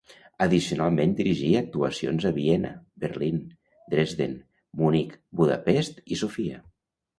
Addicionalment dirigí actuacions a Viena, Berlín, Dresden, Munic, Budapest i Sofia.